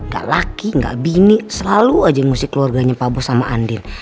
gak laki gak bini selalu aja yang musik keluarganya pak bos sama andin